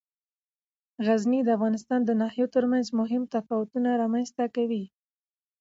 غزني د افغانستان د ناحیو ترمنځ مهم تفاوتونه رامنځ ته کوي.